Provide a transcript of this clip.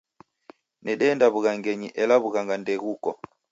Nedeenda w'ughangenyi ela w'ughanga ndeghuko.